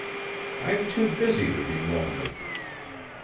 I'm too busy to be lonely."